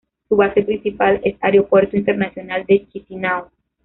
Su base principal es Aeropuerto Internacional de Chisinau.